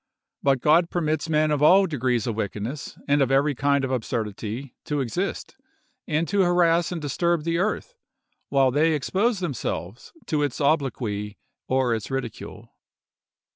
But God permits men of all degrees of wickedness, and of every kind of absurdity, to exist, and to harass and disturb the earth, while they expose themselves to its obloquy or its ridicule.